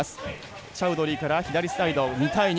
チャウドリーから左サイド２対２。